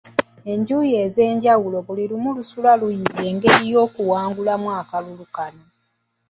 Enjuyi ez'enjawulo buli lumu lusula luyiiya engeri ey'okuwangulamu akalulu kano.